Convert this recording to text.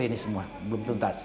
ini semua belum tuntas